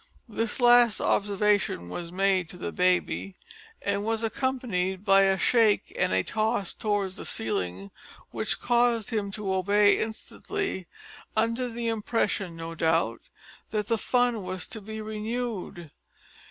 This last observation was made to the baby, and was accompanied by a shake and a toss towards the ceiling which caused him to obey instantly, under the impression, no doubt that the fun was to be renewed.